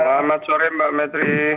selamat sore mbak metri